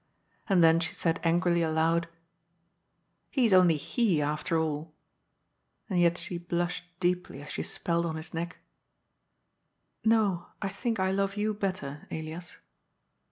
And then she said angrily aloud :^ He is only he, after all," and yet she blushed deeply as she spelled on his neck :" No, I think I love you better, Elias."